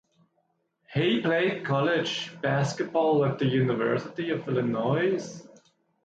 He played college basketball at the University of Illinois.